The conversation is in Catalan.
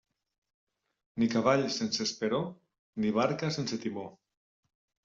Ni cavall sense esperó ni barca sense timó.